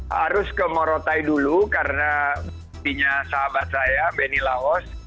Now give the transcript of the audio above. harus ke morotai dulu karena buktinya sahabat saya benny laos